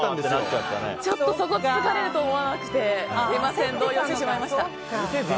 ちょっとそこをつつかれると思わなくてすみません動揺してしまいました。